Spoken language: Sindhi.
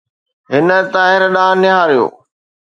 هن طاهر ڏانهن نهاريو.